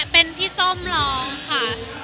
เป็นพี่ส้มร้องค่ะ